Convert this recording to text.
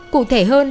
cụ thể hơn